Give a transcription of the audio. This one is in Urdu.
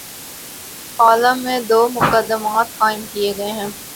کالم میں دومقدمات قائم کیے گئے ہیں۔